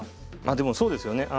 でもそうですよね